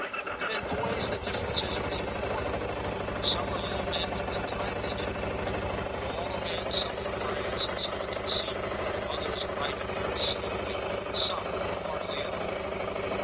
But in boys the differences are even more marked. Some are little men from the time they can walk, with all a man's self reliance and self conceit ; others ripen very slowly ; some hardly at all.